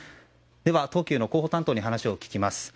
では、東急の広報担当に話を聞きます。